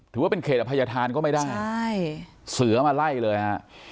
ถือว่าเป็นเขตอภัยธานก็ไม่ได้ใช่เสือมาไล่เลยฮะ